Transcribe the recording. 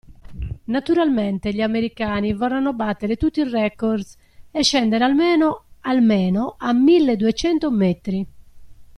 Naturalmente gli americani vorranno battere tutti i records e scendere almeno almeno a milleduecento metri.